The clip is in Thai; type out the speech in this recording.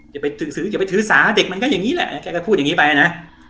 อย่าไปถือสาเด็กมันก็อย่างนี้แหละแกก็พูดอย่างนี้ไปอะนะ